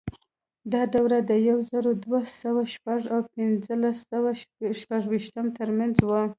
دا دوره د یو زر دوه سوه شپږ او پنځلس سوه شپږویشت ترمنځ وه.